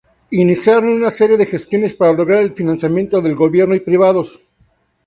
Iniciaron una serie de gestiones para lograr el financiamiento del gobierno y privados.